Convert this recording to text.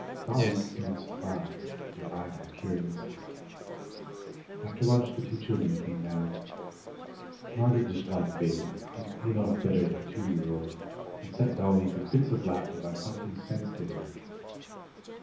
Dolly seemed surprised, and eyed her curiously. After lunch the two children came down. Margaret disliked babies, but hit it off better with the two year old, and sent Dolly into fits of laughter by talking sense to him.